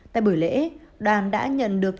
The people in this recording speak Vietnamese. tại buổi lễ đoàn đã nhận được